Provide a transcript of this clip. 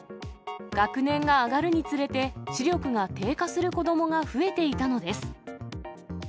学年が上がるにつれて視力が低下する子どもが増えていたのです。